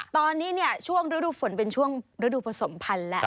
ตอนนี้เนี่ยช่วงฤดูฝนเป็นช่วงฤดูผสมพันธุ์แล้ว